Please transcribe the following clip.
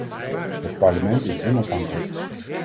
Het parlement is onafhankelijk.